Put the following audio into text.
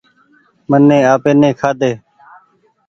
مني آپي ني کآ ۮي۔